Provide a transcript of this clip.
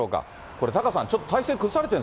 これタカさん、ちょっと体勢崩さ